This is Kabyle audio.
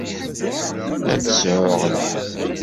Ad sɛuɣ lḥeqq.